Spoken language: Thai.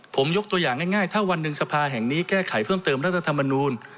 ผมยกตัวอย่างง่ายถ้าวันหนึ่งสภาแห่งนี้แก้ไขเพิ่มเติมรัฐธรรมนูล